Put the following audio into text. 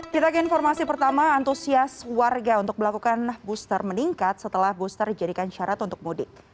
kita ke informasi pertama antusias warga untuk melakukan booster meningkat setelah booster dijadikan syarat untuk mudik